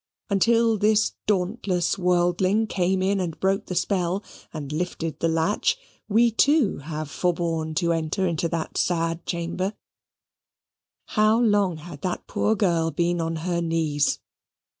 Until this dauntless worldling came in and broke the spell, and lifted the latch, we too have forborne to enter into that sad chamber. How long had that poor girl been on her knees!